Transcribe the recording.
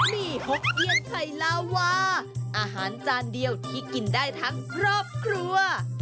มีหกเพียงไข่ลาวาอาหารจานเดียวที่กินได้ทั้งครอบครัว